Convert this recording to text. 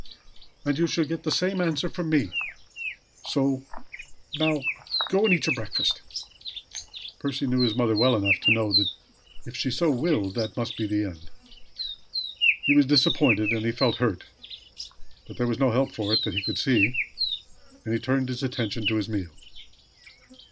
"And you'll get the same answer from me! So, now, go and eat your breakfast." Percy knew his mother well enough to know that if she had so willed, that must be the end. He was disappointed, and he felt hurt; but there was no help for it that he could see and he turned his attention to his meal.